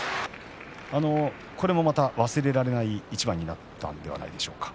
これもまた忘れられない一番になったのではないでしょうか。